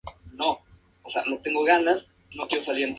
Previamente jugó en las divisiones menores del mismo club.